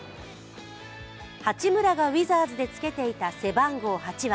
八村がウィザーズでつけていた背番号８は